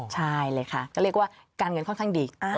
ใช่เลยค่ะก็เรียกว่าการเงินค่อนข้างดี